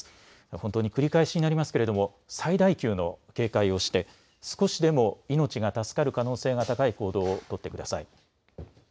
本当に繰り返しになりますけれども最大級の警戒をして少しでも命が助かる可能性が高い行動を取ってください。